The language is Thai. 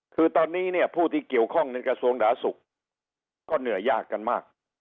คือตอนนี้เนี่ยผู้ที่เกี่ยวข้องกับส่วนหราศุกร์ก็เหนื่อยากกันมาก